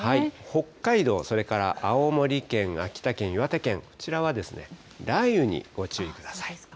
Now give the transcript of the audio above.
北海道、それから青森県、秋田県、岩手県、こちらは雷雨にご注意ください。